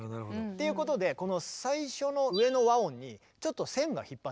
っていうことでこの最初の上の和音にちょっと線が引っ張ってある。